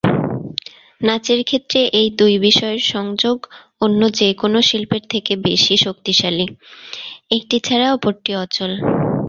নাচের ক্ষেত্রে এই দুই বিষয়ের সংযোগ অন্য যে কোন শিল্পের থেকে বেশি শক্তিশালী, একটি ছাড়া অপরটি অচল।